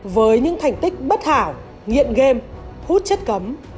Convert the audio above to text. với những thành tích bất hảo nghiện game hút chất cấm